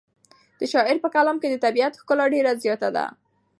د شاعر په کلام کې د طبیعت ښکلا ډېره زیاته ده.